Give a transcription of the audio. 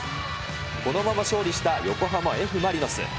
このまま勝利した横浜Ｆ・マリノス。